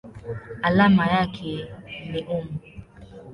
Alama yake ni µm.